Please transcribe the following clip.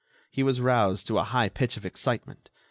He was roused to a high pitch of excitement.